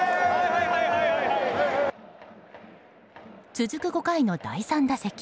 続く５回の第３打席。